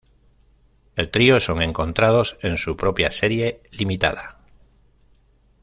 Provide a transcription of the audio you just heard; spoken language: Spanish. El trío son encontrados en su propia serie limitada.